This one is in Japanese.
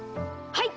はい！